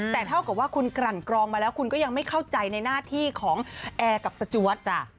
แต่เท่ากับว่าคุณกลั่นกรองมาแล้วคุณก็ยังไม่เข้าใจในหน้าที่ของแอร์กับสจวด